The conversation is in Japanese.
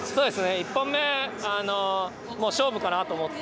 １本目、勝負かなと思って